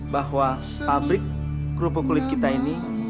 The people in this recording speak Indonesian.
bahwa pabrik kerupuk kulit kita ini